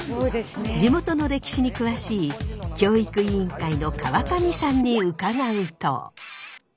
地元の歴史に詳しい教育委員会の川上さんに伺うと。